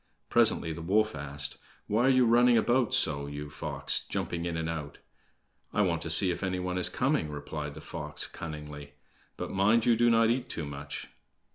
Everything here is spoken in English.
Presently the wolf asked: "Why are you running about so, you fox, jumping in and out?" "I want to see if any one is coming," replied the fox cunningly; "but mind you do not eat too much!"